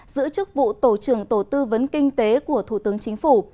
giữ chức vụ tổ trưởng tổ tư vấn kinh tế của thủ tướng chính phủ